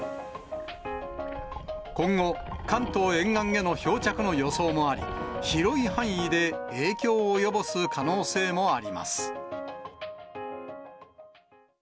今後、関東沿岸への漂着の予想もあり、広い範囲で影響を及ぼす可能性もあります。